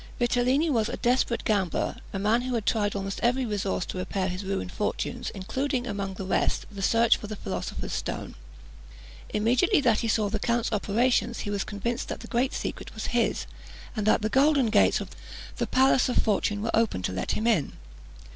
Vitellini was a desperate gambler, a man who had tried almost every resource to repair his ruined fortunes, including among the rest the search for the philosopher's stone. Immediately that he saw the count's operations, he was convinced that the great secret was his, and that the golden gates of the palace of fortune were open to let him in.